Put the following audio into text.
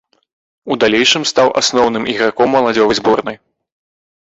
У далейшым стаў асноўным іграком моладзевай зборнай.